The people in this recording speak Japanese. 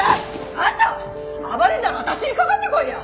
あんた暴れるなら私にかかってこいや！